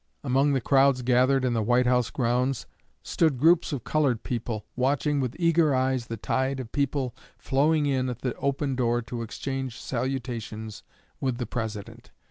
Among the crowds gathered in the White House grounds stood groups of colored people, watching with eager eyes the tide of people flowing in at the open door to exchange salutations with the President.